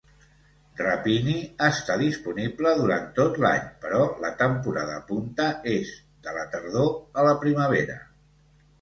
Rapini està disponible durant tot l'any, però la temporada punta és de la tardor a la primavera.